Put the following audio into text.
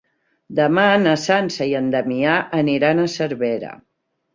Demà na Sança i en Damià aniran a Cervera.